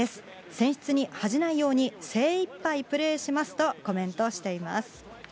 選出に恥じないように、精いっぱいプレーしますとコメントしています。